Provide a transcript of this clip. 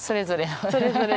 それぞれ。